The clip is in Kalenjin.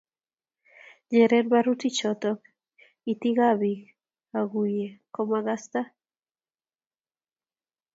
Nyeren barutichoto itikab biik akuyei komakasta